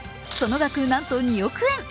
その額、なんと２億円。